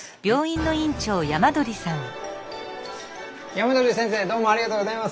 山鳥先生どうもありがとうございます。